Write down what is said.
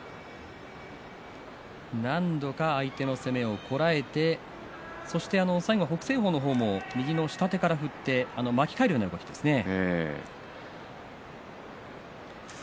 何度か相手の攻めをこらえてそして最後、北青鵬の方も右の下手から振って巻き替えるような動きですね。